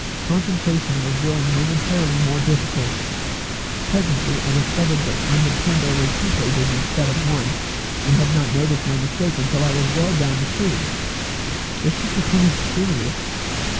Concentration was growing momentarily more difficult. Presently I discovered that I had turned over two pages instead of one, and had not noticed my mistake until I was well down the page. This was becoming serious.